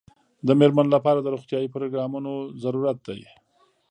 د مېرمنو لپاره د روغتیايي پروګرامونو ضرورت دی.